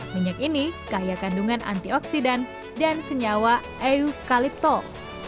minyak ini kaya kandungan antioksidan dan senyawa eukaliptol